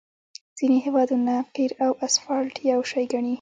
ځینې هیوادونه قیر او اسفالټ یو شی ګڼي